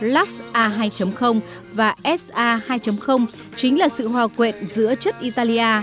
lux a hai và sa hai chính là sự hòa quyện giữa chất italia